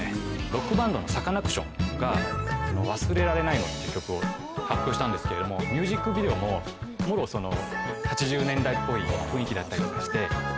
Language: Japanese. ロックバンドのサカナクションが『忘れられないの』って曲を発表したんですけれどもミュージックビデオももろ８０年代っぽい雰囲気だったりとかして。